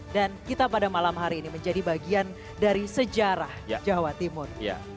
dan kita pada malam hari ini menjadi bagian dari sejarah jawa timur